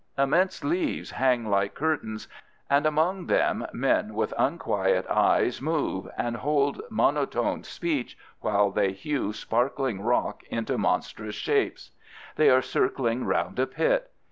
Immense leaves hang like curtains, and among them men with unquiet eyes move and hold monotoned speech while they hew sparkling rock into monstrous shapes. They are circling round a pit.